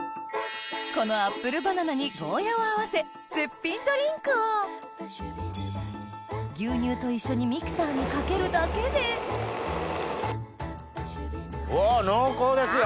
このアップルバナナにゴーヤーを合わせ絶品ドリンクを牛乳と一緒にミキサーにかけるだけで濃厚ですよ！